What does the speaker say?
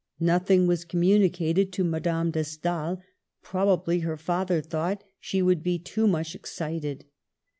Nothing was communicated to Madame de Stael ; proba bly her father thought she would be too much excited.